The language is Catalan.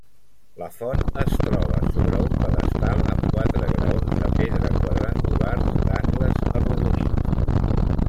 La font es troba sobre un pedestal amb quatre graons de pedra quadrangulars d'angles arrodonits.